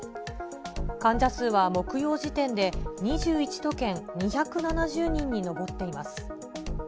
患者数は木曜時点で２１都県２７０人に上っています。